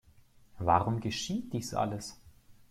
Warum geschieht dies alles?